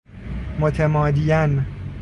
متمادیاً